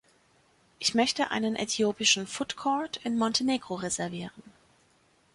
Ich möchte einen äthiopischen Food-Court in Montenegro reservieren.